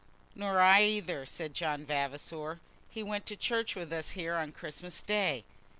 "Nor I, either," said John Vavasor. "He went to church with us here on Christmas day."